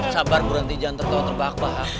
sabar berhenti jangan tertawa terpahak pahak